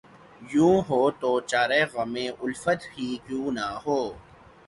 یوں ہو‘ تو چارۂ غمِ الفت ہی کیوں نہ ہو